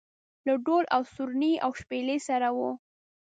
له ډول و سورني او شپېلۍ سره و.